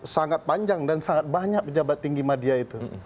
sangat panjang dan sangat banyak pejabat tinggi media itu